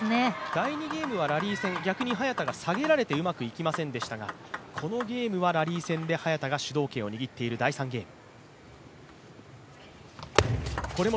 第２ゲームもラリー戦、逆に早田が下げられてうまくいきませんでしたがこのゲームはラリー戦で早田が主導権を握っている第３ゲーム。